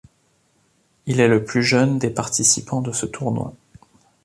Il est le plus jeune des participants de ce tournoi.